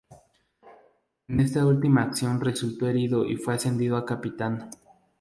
En esta última acción resultó herido y fue ascendido a capitán.